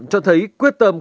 cho thấy quyết tâm